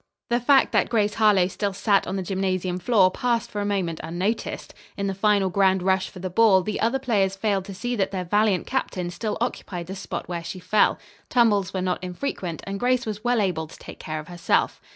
The fact that Grace Harlowe still sat on the gymnasium floor passed for a moment unnoticed. In the final grand rush for the ball, the other players failed to see that their valiant captain still occupied the spot where she fell. Tumbles were not infrequent, and Grace was well able to take care of herself.